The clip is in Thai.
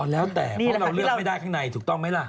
แล้วแต่เพราะเราเลือกไม่ได้ข้างในถูกต้องไหมล่ะ